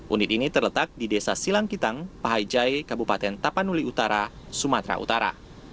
unit ini terletak di desa silangkitang pahaijai kabupaten tapanuli utara sumatera utara